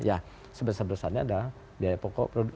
ya sebesar besarnya adalah biaya pokok